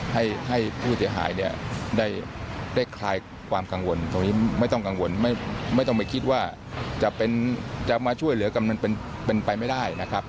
ให้ผู้เสียหายเนี่ยได้คลายความกังวลตรงนี้ไม่ต้องกังวลไม่ต้องไปคิดว่าจะมาช่วยเหลือกันมันเป็นไปไม่ได้นะครับ